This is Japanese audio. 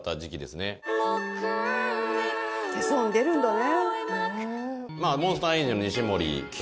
手相に出るんだね。